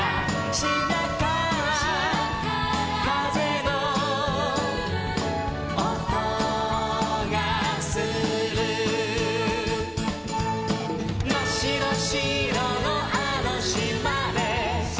「しまからかぜのおとがする」「まっしろしろのあのしまで」